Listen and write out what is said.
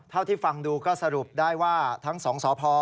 เท่าที่ฟังดูก็สรุปได้ว่าทั้งสองสพ